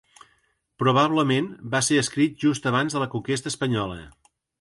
Probablement va ser escrit just abans de la conquesta espanyola.